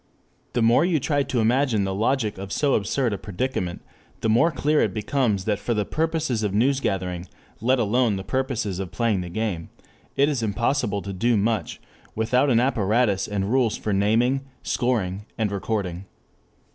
The more you try to imagine the logic of so absurd a predicament, the more clear it becomes that for the purposes of newsgathering, (let alone the purposes of playing the game) it is impossible to do much without an apparatus and rules for naming, scoring, recording.